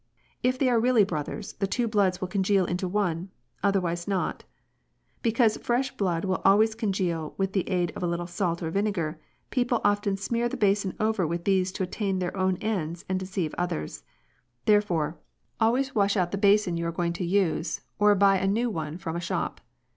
If they are really brothers, the two bloods will congeal into one ; otherwise not. But because fresh blood will always congeal with the aid of a little salt or vinegar, people often smear the basin over with these to attain their own ends and deceive others j therefore, always wash out the basin you are INQUESTS. 185 going to use or buy a new one from a shop.